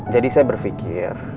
jadi saya berfikir